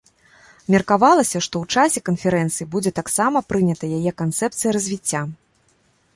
Меркавалася, што ў часе канферэнцыі будзе таксама прынята яе канцэпцыя развіцця.